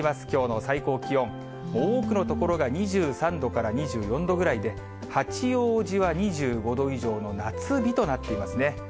きょうの最高気温、多くの所が２３度から２４度ぐらいで、八王子は２５度以上の夏日となっていますね。